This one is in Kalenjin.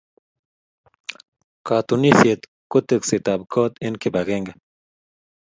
Katunisyet ko tekseetab koot eng kibagenge.